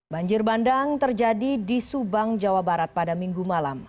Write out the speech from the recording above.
banjir bandang terjadi di subang jawa barat pada minggu malam